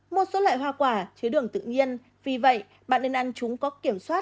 một số loại hoa quả chứa đường tự nhiên vì vậy bạn nên ăn chúng có kiểm soát